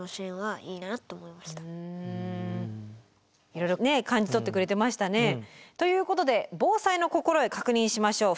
いろいろ感じ取ってくれてましたね。ということで防災の心得確認しましょう。